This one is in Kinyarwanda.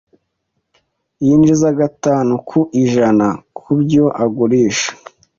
Yinjiza gatanu ku ijana kubyo agurisha.